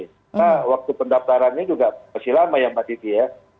nah waktu pendaftarannya juga masih lama ya mbak titi ya